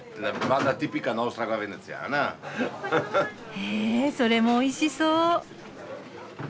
へえそれもおいしそう。